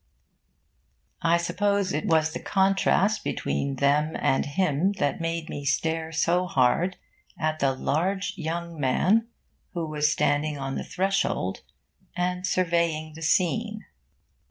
I suppose it was the contrast between them and him that made me stare so hard at the large young man who was standing on the threshold and surveying the scene.